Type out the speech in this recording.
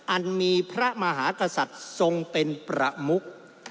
อันมีพระมหากษัตริย์ทรงเป็นประมุก